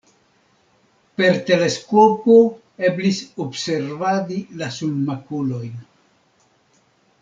Per teleskopo eblis observadi la sunmakulojn.